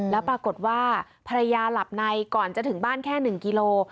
แล้วปรากฏว่าภรรยาหลับในก่อนจะถึงบ้านแค่๑กิโล